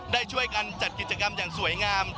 ได้ช่วยกันจัดกิจกรรมอย่างสวยงาม